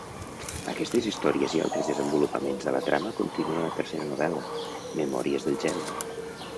Aquestes històries i altres desenvolupaments de la trama continuen a la tercera novel·la, "Memòries del gel".